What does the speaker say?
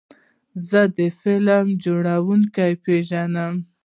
زه د فلم جوړونکي پیژنم.